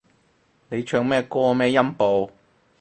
你唱咩歌咩音部